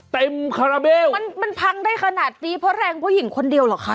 คาราเบลมันมันพังได้ขนาดนี้เพราะแรงผู้หญิงคนเดียวเหรอคะ